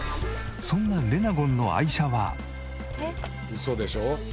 「ウソでしょ？」